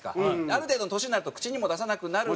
ある程度の年になると口にも出さなくなる。